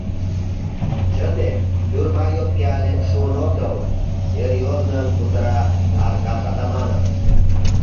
— Чыте, тюрьма йотке але шуын отыл... — серьёзнын кутыра Аркаш Атаманов.